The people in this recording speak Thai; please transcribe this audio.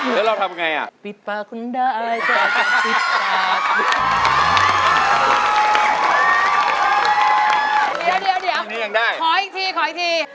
เดี๋ยวขออีกที